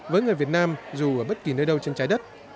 với người việt nam dù ở bất kỳ nơi đâu trên trái đất